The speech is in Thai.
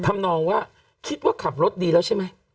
ทำนองว่าคิดว่าขับรถดีแล้วใช่ไหม